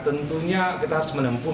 tentunya kita harus menempuh